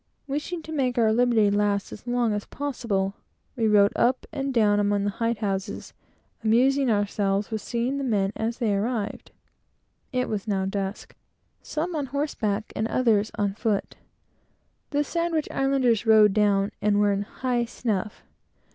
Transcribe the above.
Wishing to make our liberty last as long as possible, we rode up and down among the hide houses, amusing ourselves with seeing the men, as they came down, (it was now dusk,) some on horseback and others on foot. The Sandwich Islanders rode down, and were in "high snuff."